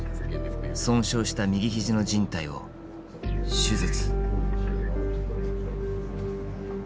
損傷した右肘のじん帯を手術。